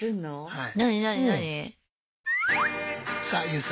はい。